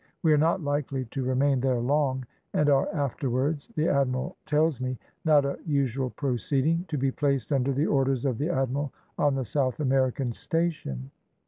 We are not likely to remain there long, and are afterwards, the admiral tells me, not a usual proceeding, to be placed under the orders of the admiral on the South American station."